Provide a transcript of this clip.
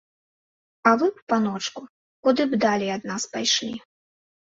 А вы б, паночку, куды б далей ад нас пайшлі.